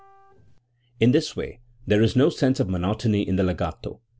313 In this way there is no sense of monotony in the legato.